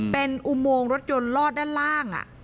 เป็นอุโมงรถยนต์ลอดด้านล่าง